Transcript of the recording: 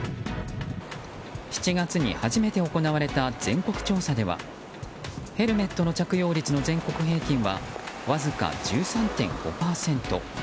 ７月に初めて行われた全国調査ではヘルメットの着用率の全国平均はわずか１３．５％。